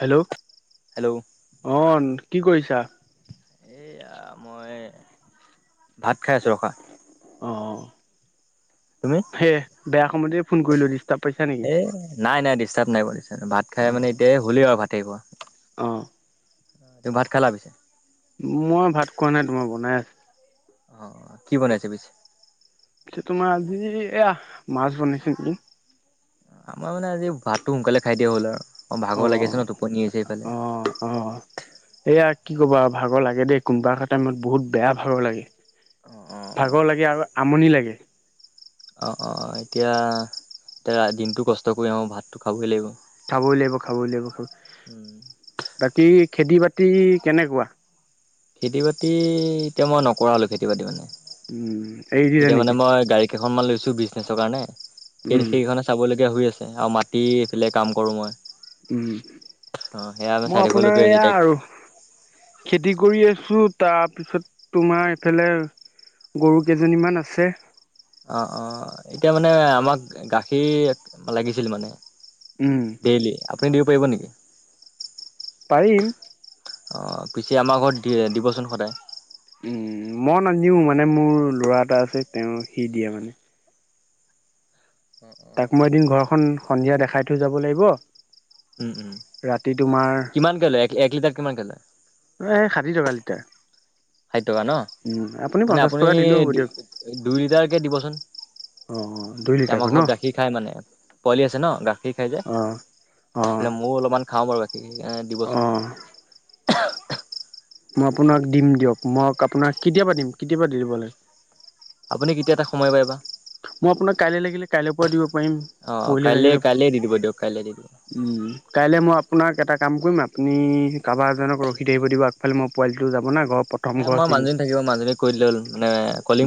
Hello অ' কি কৰিছা? এইয়া মই ভাত খাই আছোঁ ৰখা। অ' তুমি হে বেয়া সময়তেই ফোন কৰিলো ডিষ্টাৰ্ব পাইছা নেকি? এ নাই নাই ডিষ্টাৰ্ব নাই পোৱা ডিষ্টাৰ্ব নাই পোৱা, ভাত খাই মানে এতিয়া হ'লেই আৰু ভাতে খোৱা। অঁ। তই ভাত খালা পিছে? মই ভাত খোৱা নাই, তোমাৰ বনাই আছে। অ' কি বনাইছে পিছে? এ তোমাৰ আজি এয়া মাছ বনাইছে নেকি? আমাৰ মানে আজি ভাতটো সোনকালে খাই দিয়া হল আৰু অ' ভাগঘৰ লাগি আছে ন টোপনি হৈছে এইফালে। অ', অ'। এইয়া কি ক'ব আৰু ভাগৰ লাগে দেই কোনোবা এ টাইমত বহুত বেয়া ভাগৰ লাগে। ভাগৰ লাগে আৰু আমনি লাগে। অ', অ', এতিয়া এতিয়া দিনটো কষ্ট কৰি আহোঁ ভাতটো খাবই লাগিব। খাবই লাগিব খাবই লাগিব, উম বাকী খেতি বাতি কেনেকুৱা? খেতি বাতি এতিয়া মই নকৰালোঁ খেতি বাতি মানে, উম এৰি দিলে এতিয়া মানে নেকি মই গাড়ী কেইখনমান কৈছোঁ বিজনেছৰ কাৰণে সেই উম সেইখনে চাবলগীয়া হৈ আছে আৰু মাতিফেলাই কাম কৰোঁ মই। উম অ সেয়া আমি মই চাই আপোনাৰ থাকিবলগীয়া হৈছে এয়া এতিয়া আৰু খেতি কৰি আছোঁ তাৰপিছত তোমাৰ এইফালে গৰু কেইজনীমান আছে। অ', অ', এতিয়া মানে আমাক গাখীৰ লাগিছিল মানে। উম। ডেইলি আপুনি দিব পাৰিব নেকি? পাৰিম। অ' পিছে আমাৰ ঘৰত দি-দিবচোন সদায়। উম মই নেদিও মানে মোৰ ল'ৰা এটা আছে তেওঁ সি দিয়ে মানে। অ অ তাক মই এদিন ঘৰখন সন্ধিয়া দেখাই থৈ যাব লাগিব। উম উম, ৰাতি তোমাৰ কিমানকৈ লৈ এক-এক লিটাৰ কিমানকৈ লৈ? এই ষাঠি টকা লিটাৰ। ষাঠি টকা ন' উম মানে পঞ্চাশ আপুনি টকা দিলেও হ'ব দিয়ক দু-দুই লিটাৰকৈ দিবচোন। অ অ দুই এ লিটাৰকৈ আমাৰ ন ঘৰত গাখীৰ খাই মানে পোৱালি আছে ন গাখীৰ খাই যে। অ অ ইফালে মইয়ো অলপমান খাওঁ বাৰু গাখীৰ অ দিবচোন। মই আপোনাক দিম দিয়ক মই আপোনাক কেতিয়াবা দিম কেতিয়াবা দি দিব লাগে? আপুনি কেতিয়া এটা সময় পাই বা মই আপোনাক কাইলে লাগিলে কাইলৈৰ পৰা দিব পাৰিম। অ' পৰহিলৈ কাইলে লাগিলে কাইলে দি দিব দিয়ক কাইলে দি দিব। উম কাইলৈ মই আপোনাক এটা কাম কৰিম আপুনি কাৰোবাৰ এজনক ৰখি থাকিব দিবা আগ ফালে ম পোৱালটো যাব না ঘৰ প্ৰথম এ ঘৰ মই চিন মানুহজনী থাকিব মানুহজনী কৰি দিলে হ'ল মান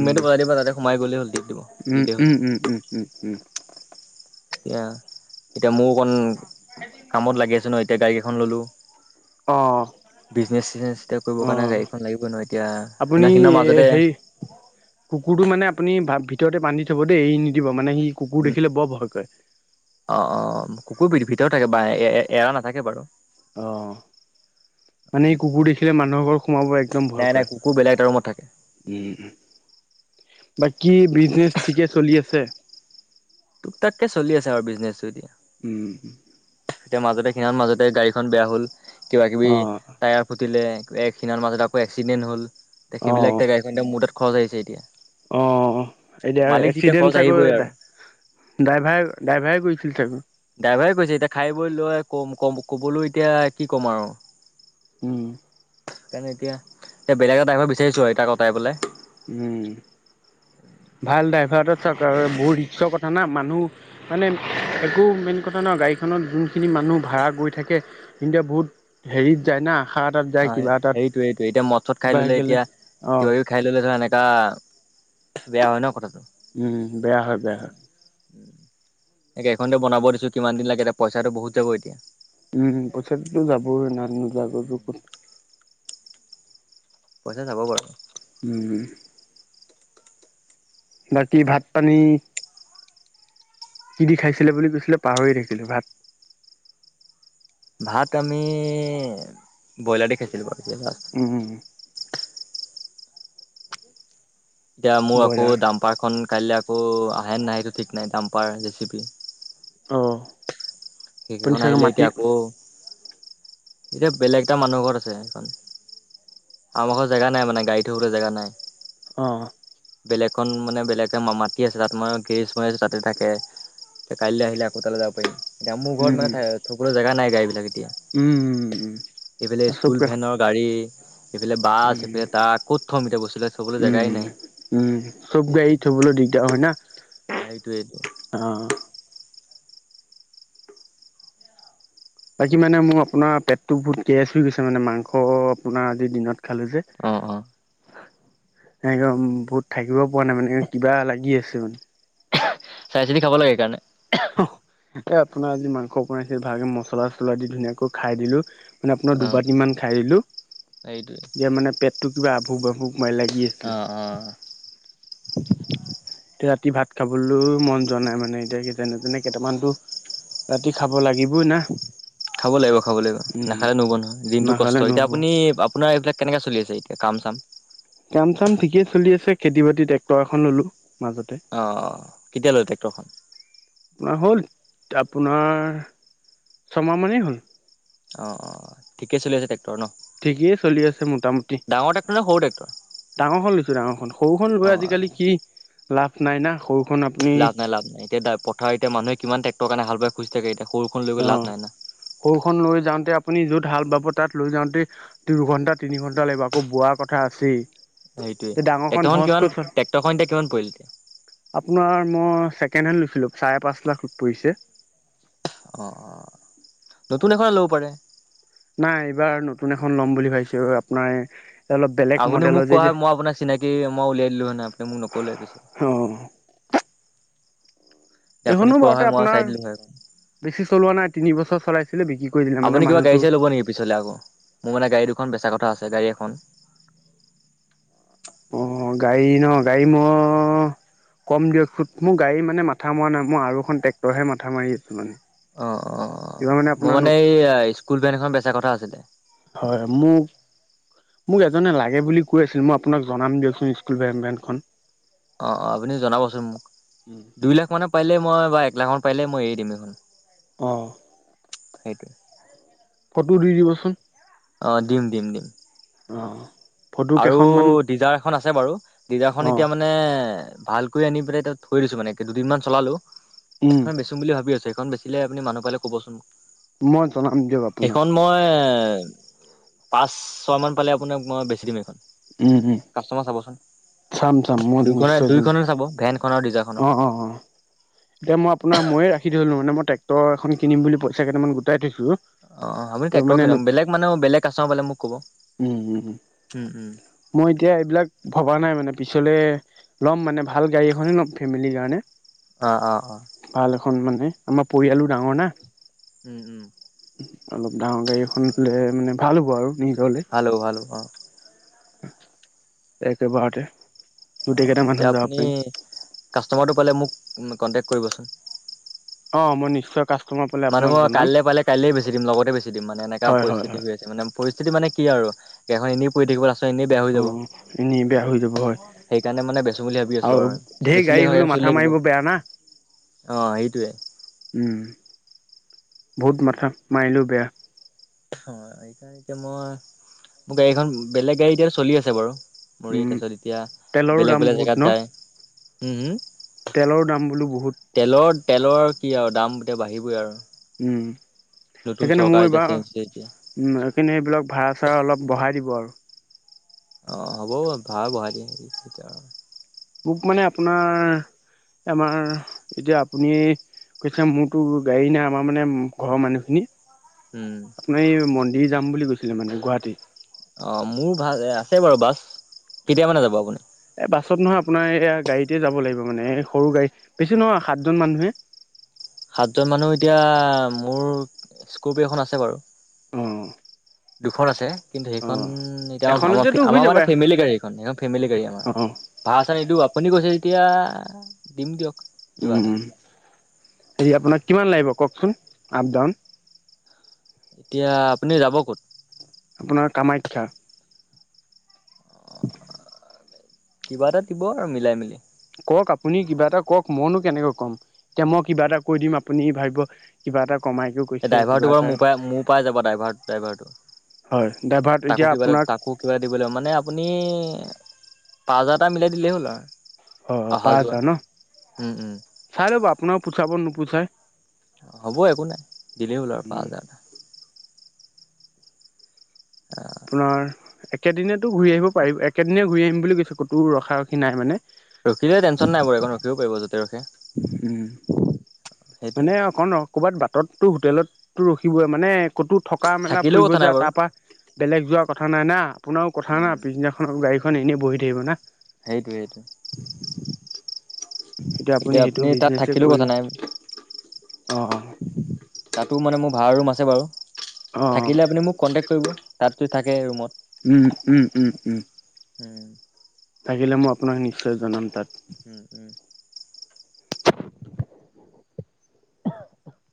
উম বজাই দিব তাতে সোমাই গ'লে হল দি দিব। উম দিলেই হ'ল উম। উম উম উম। হম। এতিয়া এতিয়া মোৰ অকণ কামত লাগি আছোঁ ন এতিয়া গাড়ী কেইখন ল'লোঁ। অঁ বিজনেছ চিজনেচ এতিয়া কৰিব কাৰণে অঁ গাড়ীখন লাগিবই ন এতিয়া আপুনি সেইনাখিনৰ মাজতে হেৰি কুকুৰটো মানে আপুনি ভা-ভিতৰতে বান্ধি থব দেই এৰি নিদিব মানে সি কুকুৰ দেখিলে বৰ ভয় কৰে। অ', অ', কুকুৰ ভিতৰত থাকে বা এ-এ-এৰা নাথাকে বাৰু। অ'। মানে এই কুকুৰ দেখিলে মানুহৰ ঘৰ সোমাব একদম ভয় নাই নাই কুকুৰ বেলেগ কৰে। এটা ৰুমত থাকে উম, বাকী বিজনেছ ঠিকে চলি আছে? টোক টাক কে চলি আছে আৰু বিজনেছো এতিয়া। উম। এতিয়া মাজতে সিনামান মাজতে গাড়ীখন বেয়া হল কিবা কিবি অঁ টায়াৰ ফুটিলে এই খিনাখন মাজতে আকৌ এক্সিডেণ্ট হ'ল সেইবিলাক ইতিয়া গাড়ীখন এতিয়া মোৰ তাত খৰচ আহিছে এতিয়া। অ' এতিয়া মালিক যেতিয়া এক্সিডেণ্ট খৰচ চাগৈ আহিবই ড আৰু ড্ৰাইভাৰে ড্ৰাইভাৰে গৈছিল চাগৈ। ড্ৰাইভাৰে কৈছে এতিয়া খাই বৈ লৈ কম-কম-ক'বলৈ এতিয়া কি ক'ম আৰু। উম। সেইকাৰণে এতিয়া বেলেগ এটা ড্ৰাইভাৰ বিচাৰিছোঁ আৰু এ টাক অতৰাই পেলাই। উম, ভাল ড্ৰাইভাৰটা চাওক বহুত ৰিক্সৰ কথা না মানুহ মানে একো মেইন কথা নহয়, গাড়ীখনত যোনখিনি মানুহ ভাড়া গৈ থাকে হিন্তে বহুত হেৰিত যায় না। আশা এটাত যায় কিবা অ' এটাত সেইটো সেইটো। এতিয়া মদ চদ খাই কিবা হৈ ললে গ'লে এতিয়া অ', সি খাই ল'লে ধৰ এনেকি বেয়া হয় ন' কথাটো। উম, উম, বেয়া হয় বেয়া হয়। এইকেইখনতে বনাব দিছোঁ, কিমান দিন লাগে এয়া, পইচাটো বহুত যাব এতিয়া। উম, পইচাটোটো যাবই ন' নোযোৱাকে উম ক'ত পইচা যাব বাৰু। উম। বাকী ভাত পানী কি দি খাইছিলে বুলি কৈছিলে পাহৰি থাকিলোঁ, ভাত ভাত আমি ব্ৰইলাৰ দি খাইছিলোঁ বাৰু এতিয়া লাষ্ট। উম, উম। এতিয়া মোৰ আকৌ ব্ৰইলাৰ দাম্পাৰখন কাইলে আকৌ আহে নাহে সেইটো ঠিক নাই, ডাম্পাৰ আৰু জেচিপি। অ'। আপুনি সেইকেইখন চাগে আহিলে মাটি এতিয়া আকৌ এতিয়া বেলেগ এটা মানুহৰ ঘৰত আছে সেইখন। আমাৰ ঘৰত জেগা নাই মানে গাডী থবলৈ জেগা নাই। অ'। বেলেগন মানে বেলেগ মাটি আছে তাত মই গেৰিছ মাৰি আছোঁ তাতে থাকে। এতিয়া কাইলৈ আহিলে আকৌ তালৈ যাব পাৰিম, এতিয়া মোৰ ঘৰত উম, মানে সকলো জেগা নাই গাড়ীবিলাক এতিয়া। উম, উম, উম, এইফালে স্কুল চবকে ভেনক গাড়ী এইফালে বাছ, উম। এইফালে ট্ৰাক, ক'ত থ'ম এতিয়া বস্তু চব জেগাই উম, নাই। উম, চব গাড়ী থবলৈ দিগদাৰ হয় না। এইটোয়েইটো। অ'। বাকী মানে মোৰ আপোনাৰ পেটটো বহুত গেছ হৈ গৈছে, মানে মাংস আপোনাৰ আজিৰ দিনত খালোঁ যে। অঁ অঁ একদম বহুত থাকিব পৰা নাই, মানে কিবা লাগি আছে মানে। চাই চিতি খাব লাগে সেইকাৰণে। এ, আপোনাৰ আজি মাংস বনাইছে, ভালে মছলা চছলা দি ধুনীয়াকৈ খাই দিলো মানে আপোনাৰ অঁ দুবাটিমান খাই দিলোঁ। সেইটোৱে। এতিয়া মানে পেটটো কিবা আভুক বভুক মাই লাগি আছিল। অঁ অঁ এতিয়া ৰাতি ভাত খাবলৈ মন যোৱা নাই মানে এতিয়া যেনে তেনে কেইটামানতো ৰাতি খাব লাগিবই না। খাব লাগিব খাব লাগিব, উম, নাখালে নহ'ব নহয়, দিনটো কষ্ট, নাখালে এতিয়া নহ'ব। আপুনি আপোনাৰ এইবিলাক কেনেকে চলি আছে এতিয়া কাম চাম? কাম চাম ঠিকে চলি আছে, খেতি বাতি ট্ৰেক্টৰ এখন ললো। মাজতে অ' কেতিয়ালৈ ট্ৰেক্টৰখন? আপোনাৰ হ'ল, আপোনাৰ ছমাহমানেই হ'ল। অ', অ'। ঠিকেই চলি আছে ট্ৰেক্টৰ ন'? ঠিকেই চলি আছে মোটামুটি। ডাঙৰ ট্ৰেক্টৰ নে সৰু ট্ৰেক্টৰ? ডাঙৰ খন লৈছো ডাঙৰখন। সৰুখন লৈ অ', আজিকালি কি লাভ নাই না সৰু লাভ নাই লাভ নাই। এতিয়া পথাৰ এতি মানুহে কিমান টেক্টৰ কাৰনে হাল বাই খুজি থাকে, এতিয়া সৰুখন অ লৈ লাভ নাই না। সৰুখন লৈ যাওঁতে আপুনি য'ত হাল বাব তাত লৈ যাওঁতে দুঘণ্টা তিনি ঘণ্টা লাগিব, আকৌ বোৱাৰ কথা আছেই। সেইটোয়ে। তে ডাঙৰখন ট্ৰেক্টৰখন কিমান ভজকৈ চল ট্ৰেক্টৰখন এতিয়া কিমান পৰিল এতিয়া? আপোনাৰ মই ছেকেণ্ড হেণ্ড লৈছিলোঁ, চাৰে পাঁচ লাখ পৰিছে। অ', অ'। নতুন এখনে ল'ব পাৰে। নাই এইবাৰ নতুন এখন ল'ম বুলি ভাবিছো আপোনাৰ অলপ বেলেগ আপুনি মডেলৰ মোক যে কোৱা যে হয় মই আপোনাক চিনাকি মই উলিয়াই দিলো হৈ নহয়। আপুনি মোক নক'লে পিছে। অ'। যে আপুনি এইখনো কোৱা হয় বাৰুতে মই চাই আপোনাৰ দিলো হয়। বেছি চলোৱা নাই তিনি বছৰ চলাই আপুনি কিবা গাড়ী চাড়ী ল'ব নেকি পিছলে আকৌ মোৰ মানে গাড়ী দুখন বেচা কথা আছে গাডী এখন। অ', গাড়ী ন গাড়ী মই কম দিয়ক চোন। মোৰ গাড়ী মানে মাথা মৰা নাই মই আৰু এ টেক্টৰে মাথা মাৰি আছো মানে। অ', কিবা অ', মোৰ আপোনাৰ ন মানে এই স্কুল ভেন এখন বেচা কথা আছিলে। হয়, মোৰ মোক এজনে লাগে বুলি কৈ আছিল। মই আপোনাক জনাম দিয়কচোন স্কুল ভেন ভেনখন। অ', অ', আপুনি জনাবচোন মোক। দুই লাখ মানৰ পাৰিল মই বা এক লাখ মান পাৰিলে মই এৰি দিম এইখন। অ'। সেইটোৱে। ফটো দি দিবচোন। অ', দিম দিম দিম। অ'। ফটো আৰু কেইখনমান ডিজাৰ এখন আছে বাৰু ডিজাৰখন অ এতিয়া মানে ভাল আনি পেলাই এতিয়া থৈ দিছো মানে দুদিনমান চলালো। উম। বেছো বুলি ভাবি আছো সেইখন বেচিলে আপনি মানুহ পালে ক'বচোন। মই জনাম দিয়ক আপোনাক সেইখন মই পাঁচ ছয় মান পালে আপোনাক মই বেছি দিম। উম উম কাষ্ট'মাৰ চাবচোন চাম চাম মই দুই নিশ্চয় জনাম দুইখনে চাব ভেনখন আৰু ডিজাৰ অ', অ', অ'। এতিয়াই আপোনাৰ মইয়ে ৰাখি থ'লোহৈ মানে মই ট্ৰেক্টৰ এখন কিনিম বুলি পইচা কেইটামান গোটাই থৈছো। অ', আপুনি ত ট্ৰেক্টৰ মানে কিনক বেলেগ মানে বেলেগ আছে বোলে মোক ক'ব উম উম। মই এতিয়া এইবিলাক ভবা নাই মানে পিছলে ল'ম মানে ভাল গাড়ী এখনে লম। ফেমিলি কাৰণে। অ', অ', অ'। ভাল এখন মানে আমাৰ পৰিয়ালো ডাঙৰ না। উম, উম। অলপ ডাঙৰ গাড়ীখন ল'লে মানে ভাল হ'ব আৰু নিজৰলৈ। হেল্ল' হেল্ল' অ'। একেবাৰতে। গোটেই অ', কেইটা মানুহ এতিয়া যাব আপুনি পাৰিম কাষ্ট'মাৰটো পালে মোক কন্টেক কৰিবচোন। অ', মই নিশ্চয় কা মানে মই কাইলৈ পালে কাইলে বেছি দিম লগতে বেছি দিম মানে এনেকুৱা হয় হয় পৰিস্থিতি হয় হৈ আছে মানে। পৰিস্থিতি মানে কি আৰু গাড়ীখন এনেই পৰি থাকিব লাষ্টত এনেই বেয়া হৈ অ যাব। এনেই বেয়া হৈ যাব হয়। সেইকাৰণে মানে বেচো বুলি ভাবি আছো আৰু ঢেৰ গাড়ী বেচিলে হলেও গাড়ীখন মাথা চলি মাৰিব বেয়া না থাকিব। অ', সেইটোৱে। বহুত মাথা মাৰিলেও বেয়া। অ', এইকাৰনে মই মোৰ গাড়ী এখন বেলেগ গাড়ী এতিয়া চলি আছে বাৰু। মুৰেই উম তাৰপিছত এতিয়া তেলৰো বেলেগ দাম বেলেগ বহুত জেগাত ন যায়। উম হম? তেলৰ দাম বোলো বহুত। তেলৰ তেলৰ কি আৰু দাম এতিয়া বাঢ়িবই আৰু। নতুন সেইকাৰণে মই চৰকাৰ এতিয়া এইবাৰ চেঞ্জ হৈছে এতিয়া সেইকাৰণে সেইবিলাক ভাড়া চাড়া অলপ বঢ়াই দিব আৰু। অ', হ'ব বাৰু ভাড়া বঢ়াই দিম। মোক মানে আপোনাৰ আমাৰ এতিয়া আপুনি কৈছে মোৰতো গাড়ী নাই আমাৰ মানে ঘৰৰ মানুহ তুমি মন্দিৰ [unintelligible] যাম বুলি কৈছিলে মানে কৈছিলা গুৱাহাটী অ' মোৰ ভাল আছে বাৰু বাছ কেতিয়া মানে যাব আপুনি? এ বাছত নহয় আপোনাৰ এইয়া গাড়ীতে যাব লাগিব মানে এই সৰু গাড়ী বেছি নহয় সাতজন মানুহে। সাতজন মানুহ এতিয়া মোৰ স্কপিঅ' এখন আছে বাৰু অহ। দুখন আছে। কিন্তু সেইখন এতিয়া এখনতেতো হৈ আমাৰ যাব মানে ফেমেলি গাড়ীখন সেইখন ফেমেলি গাড়ী আমাৰ অ ভাৰা চাৰা নিদিওঁ আপুনি কৈছে যেতিয়া দিম দিয়ক। উম, কিবা এটা উম হেৰি আপোনাক কিমান লাগিব কওকচোন আপ ডাউন? এতিয়া আপুনি যাব ক'ত? আপোনাৰ কামাখ্যা। কিবা এটা দিব আৰু মিলাই মিলি কওক আপুনি কিবা এটা কওক মনো কেনেকৈ কম এতিয়া মই কিবা এটা কৈ দিম আপুনি ভাবিব কিবা এটা কমাই এই ড্ৰাইভাৰটো বাৰু মোৰ পাই মোৰ পাই যাব ড্ৰাইভাৰ ড্ৰাইভাৰটো হয় ড্ৰাইভাৰত এতিয়া তাকো কিবা এটা আপোনাক তাকো কিবা দিব লাগিব মানে আপুনি পাঁচ হাজাৰ এটা মিলাই দিলেই হ'ল আৰু অ', অ', অহা পাঁচ যোৱা হাজাৰ ন উম উম চাই ল'ব আপোনাৰ পুচাব নোপোচাই। হ'ব একো নাই দিলেই হ'ল আৰু উম, পাঁচ হাজাৰ। আহ। আপোনাৰ একেদিনতো ঘূৰি আহিব পাৰিব একেদিননে ঘূৰি আহিম বুলি কৈছে ক'তো ৰখাাৰখি নাই মানে ৰখিলে টেনচন নাই বাৰু এখন ৰখিব পাৰিব যতে ৰখে। উম, সেইটোৱে এনে অকন ক'ৰবাত বাটতো হোটেলতো ৰখিবই মানে ক'তো থকা মেলা থাকিলেও ফুৰিব কথা নাই যায় বাৰু তাৰ পা বেলেগ যোৱাৰ কথা নাই না আপোনাৰো কথা না উম পিছদিনাখন গাড়ীখন এনেই বহি থাকিব না সেইটোৱে। এতিয়া আপুনি সেইটো তাত বিজনেছে থাকিলেও কথা কৰি নাই অ', অ' তাতো মানে মোৰ ভাড়া ৰুম আছে বাৰু থাকিলে আপুনি মোক কণ্টেক্ট কৰিব তাতো থাকে ৰুমত অ' উম থাকিলে মই আপোনাক নিশ্চয় জনাম তাত। উম, উম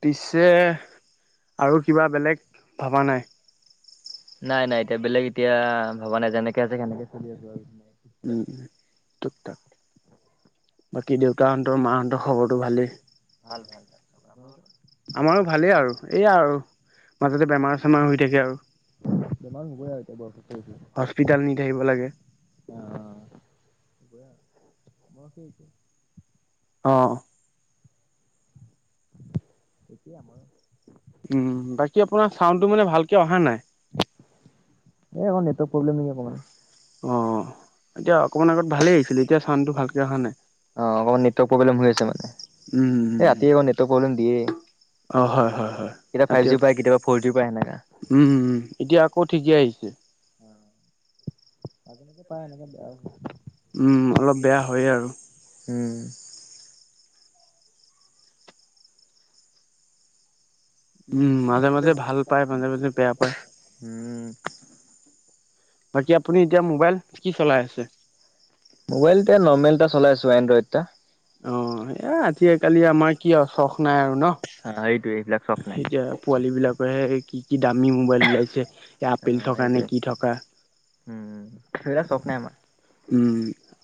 পিছে আৰু কিবা বেলেগ ভবা নাই। নাই নাই এতিয়া বেলেগ এতিয়া ভবা নাই যেনেকে আছো কেনেকে চলি আছো আৰু উম, তুক তাক বাকী দেউতাহন্তৰ মাহঁন্তৰ খবৰটো ভালেই ভাল, ভাল। আমাৰো ভালেই আৰু এইয়া আৰু মাজতে বেমাৰ চেমাৰ হৈ থাকে আৰু। বেমাৰ হ'ব আৰু এতিয়া বৰ [unintelligible] হস্পিতাল নি থাকিব লাগে। অ', হ'বয়ে। অ'। সতি আমাৰো উম, বাকী আপোনাৰ চাউন্ডটো মানে ভালকে অহা নাই। এই অ', নেটৱৰ্ক প্ৰব্লেম আকণমান অ', এতিয়া অকমান আগত ভালেই আহিছিলো এতিয়া চাউণ্ডটো ভালকে অহা নাই। অ', অকণমান নেটৱৰ্ক প্ৰব্লেম হৈ আছে মানে উম, এই উম, ৰাতিয় অকণ নেটৱৰ্ক প্ৰব্লেম দিয়েই। অ', হয়, হয়, হয়। কেতিয়াবা ফাইভ এতিয়া জী কেতিয়াবা ফৰ জী পায় সেনেকা। উম, এতিয়া আকৌ ঠিকে আহিছে। আজনতে পায়, এনেকে বেয়া। উম, অলপ বেয়া হয়ে আৰু। উম। উম, মাজে মাজে ভাল পায় উম। বাকী আপুনি এতিয়া মোবাইল কি চলাই আছে? মোবাইল এতিয়া নৰ্মেল এটা চলাই আছোঁ, এনড্ৰইড এটা। অ' এ, আতি কালি আমাৰ কি আৰু চখ নাই আৰু ন'? অ' এইটো এইবিলাক চক নাই। এতিয়া পোৱালীবিলাকৰহে কি কি দামী মোবাইল ওলাইছে, আপেল অ' থকা নে সেইটোৱে কি থকা। উম, সেইবিলাক চখ নাই আমাৰ। উম,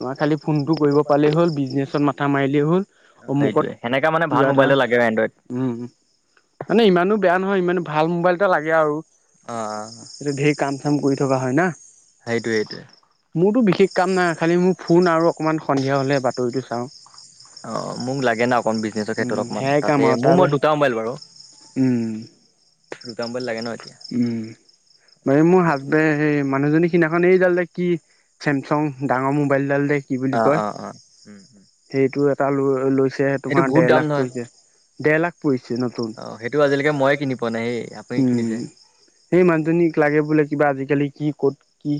আমাৰ খালি ফোনটো কৰিব পালেই হ'ল, বিজনেছত মাথা মাৰিলেই হ'ল। অ' অমুকত সেইটোয়েই। এনেকা মান ভাল মোবাইল এটা লাগে এনড্ৰইড। উম। মানে ইমানো বেয়া নহয়, ইমানো ভাল মোবাইল এটা লাগে আৰু। অ' এতিয়া ধেৰ কাম চাম কৰি থকা হয় না। সেইটোৱে সেইটোৱে। মোৰতো বিশেষ কাম নাই, খালি মোৰ ফোন আৰু অকণমান সন্ধিয়া হ'লে বাতৰিটো চাওঁ। অ' মোক লাগে না অকণমান বিজনেছৰ উম ক্ষেত্ৰত অকমান সেয়াই কাম তাতে, আৰু তাৰ মোৰ মই বাহি দুটা মোবাইল বাৰু। উম দুটা মোবাইল লাগে ন' এতিয়া। উম, মানে মোৰ সেইটোৱে। হাজবে হেই মানুহজনী সিদিনাখন এইজাল দে কি চেমচং ডাঙৰ মোবাইলডাল দে কি বুলি অ' কয়, অ' অ' উম সেইটো এটা লৈ লৈছে। তেহে এইটো তোমাৰ বহুত দেৰ দাম লাখ নহয়। পৰিইছে, দেৰ লাখ পৰিছে নতুন। অ' সেইটো আজিলৈকে ময়ে কিনি পোৱা নাই সেই আপুনি উম। কিনিছে। সেই মানুহজনীক লাগে বোলে কিবা আজিকালি কি ক'ত কি